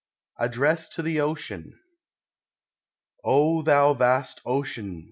ADDRESS TO THE OCEAN. O thou vast Ocean !